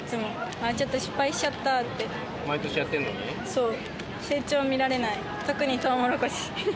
そう。